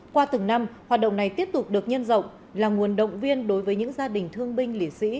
qua từng năm hoạt động này tiếp tục được nhân rộng là nguồn động viên đối với những gia đình thương binh liệt sĩ